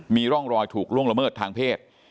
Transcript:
มีร่องรอยถูกล่วงละเมิดทางเพศ